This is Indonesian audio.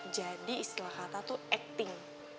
jadi istilah kata tuh acting